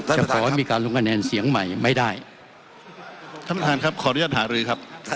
จะขอให้มีการลงคะแนนเสียงใหม่ไม่ได้ท่านประธานครับขออนุญาตหารือครับ